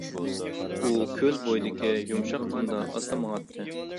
ئۇ كۆل بويىدىكى يۇمشاق قۇمدا ئاستا ماڭاتتى.